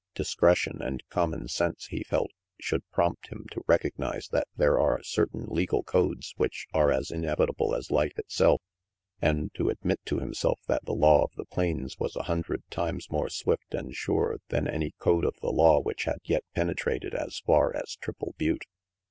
Discretion and common sense, he felt, should prompt him to recognize that there are certain legal cedes which are as inevitable as life itself, and to admit to himself that the law of the plains was a hundred times more swift and sure than any code of the law which had yet penetrated as far as Triple Butte.